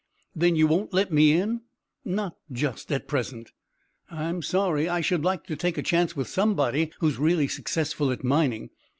"Then you won't let me in?" "Not just at present." "I'm sorry! I should like to take a chance with somebody who is really successful at mining.